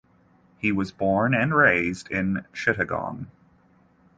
He was born and raised in Chittagong.